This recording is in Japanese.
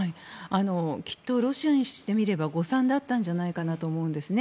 きっとロシアにしてみれば誤算だったんじゃないかと思うんですね。